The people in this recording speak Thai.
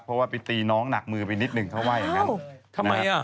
เพราะว่าไปตีน้องหนักมือไปนิดนึงเขาว่าอย่างนั้น